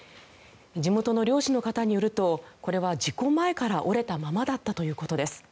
地元の漁師の方によるとこれは事故前から折れたままだったということです。